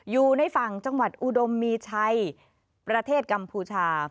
อยู่ในฝั่งจังหวัดอุดมมีชัยประเทศกัมพูชา